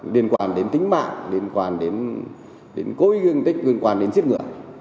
liên quan đến tính mạng liên quan đến cố ý gương tích liên quan đến giết ngựa